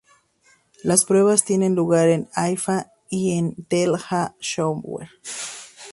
Las pruebas tienen lugar en Haifa y en Tel-Ha-Shomer.